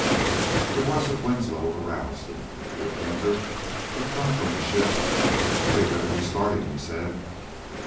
The voice of Winslow aroused him. The inventor had come from his ship. "We had better be starting," he said.